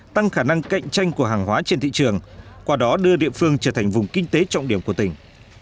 tăng khả năng cạnh tranh của hàng hóa trên thị trường qua đó đưa địa phương trở thành vùng kinh tế trọng điểm của tỉnh